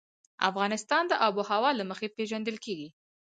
افغانستان د آب وهوا له مخې پېژندل کېږي.